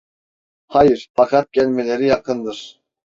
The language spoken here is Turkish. Hayır, fakat gelmeleri yakındır…